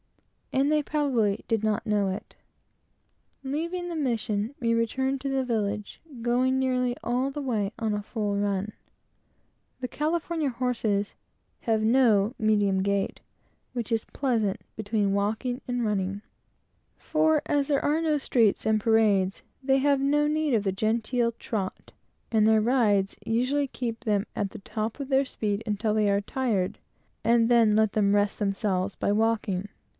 and they probably did not know the age. Leaving the mission, we returned to village, going nearly all the way on a full run. The California horses have no medium gait, which is pleasant, between walking and running; for as there are no streets and parades, they have no need of the genteel trot, and their riders usually keep them at the top of their speed until they are fired, and then let them rest themselves by walking.